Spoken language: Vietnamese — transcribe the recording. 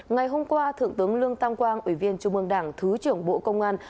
ngày hôm qua thượng tướng lương tam quang ủy viên trung ương đảng thứ trưởng bộ công an